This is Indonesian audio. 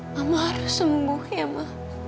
mama harus sembuh ya ma